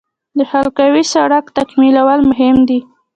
د حلقوي سړک تکمیلول مهم دي